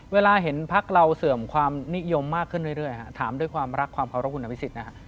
เวลาเห็นพักเราเสื่อมความนิยมมากขึ้นเรื่อยถามด้วยความรักความเคารพคุณอภิษฎนะฮะ